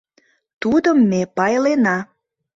Тудым ме пайлена.